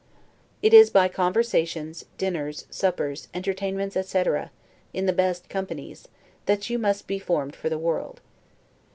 It is by conversations, dinners, suppers, entertainments, etc., in the best companies, that you must be formed for the world.